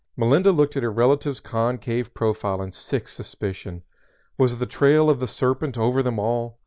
Melinda looked at her relative's concave profile in sick suspicion. Was the trail of the serpent over them all?